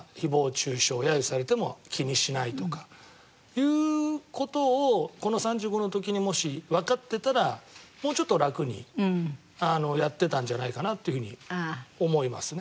いう事をこの３５の時にもしわかってたらもうちょっと楽にやってたんじゃないかなというふうに思いますね。